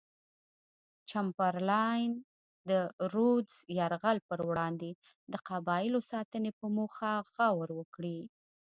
چمبرلاین د رودز د یرغل پر وړاندې د قبایلو ساتنې په موخه غور وکړي.